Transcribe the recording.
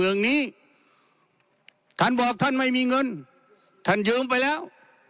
เรื่องนี้ท่านบอกท่านไม่มีเงินท่านยืมไปแล้ว